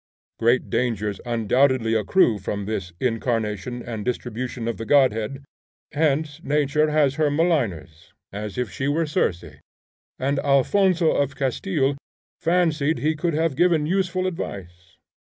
Great dangers undoubtedly accrue from this incarnation and distribution of the godhead, and hence Nature has her maligners, as if she were Circe; and Alphonso of Castille fancied he could have given useful advice.